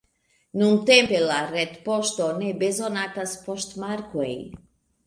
Nuntempe por retpoŝto ne bezonatas poŝtmarkoj.